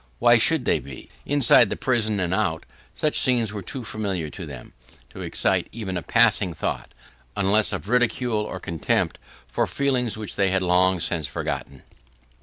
Why should they be? Inside the prison, and out, such scenes were too familiar to them, to excite even a passing thought, unless of ridicule or contempt for feelings which they had long since forgotten.